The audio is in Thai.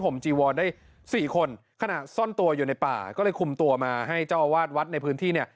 ผมจีวรได้สี่คนขณะซ่อนตัวอยู่ในป่าก็เลยคุมตัวมาให้เจ้าอาวาสวัดในพื้นที่เนี่ย